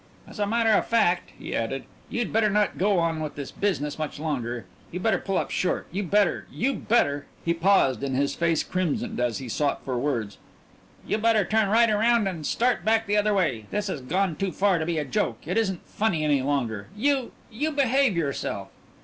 "As a matter of fact," he added, "you'd better not go on with this business much longer. You better pull up short. You better you better" he paused and his face crimsoned as he sought for words "you better turn right around and start back the other way. This has gone too far to be a joke. It isn't funny any longer. You you behave yourself!"